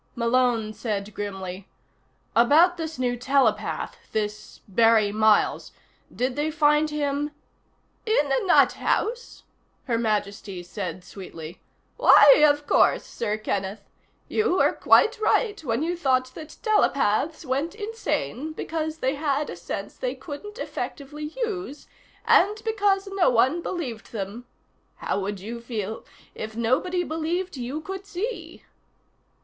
Malone said grimly: "About this new telepath this Barry Miles. Did they find him " "In a nut house?" Her Majesty said sweetly. "Why, of course, Sir Kenneth. You were quite right when you thought that telepaths went insane because they had a sense they couldn't effectively use, and because no one believed them. How would you feel, if nobody believed you could see?"